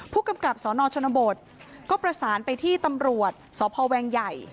ผู้กำกับสนชนบทก็ประสานไปที่ตำรวจสพแวงใหญ่